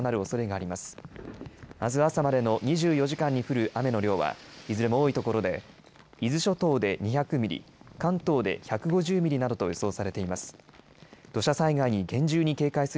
あす朝までの２４時間に降る雨の量はいずれも多いところで伊豆諸島で２００ミリ、関東で１５０ミリなどと予想されています。